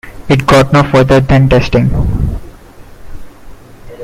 It got no further than testing.